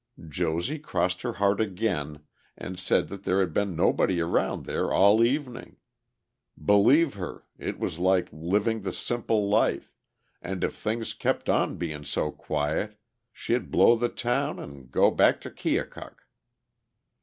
Josie crossed her heart again, and said that there had been nobody around there all evening—believe her, it was like living the simple life, and if things kept on bein' so quiet she'd blow the town and go back to Keokuk.